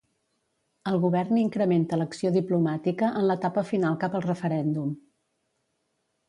El govern incrementa l'acció diplomàtica en l'etapa final cap al referèndum.